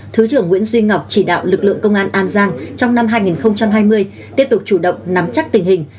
thứ trưởng nguyễn duy ngọc chỉ đạo lực lượng công an an giang trong năm hai nghìn hai mươi tiếp tục chủ động nắm chắc tình hình